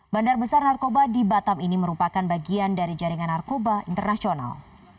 bandar besar narkoba di batam ini merupakan bagian dari jaringan narkoba internasional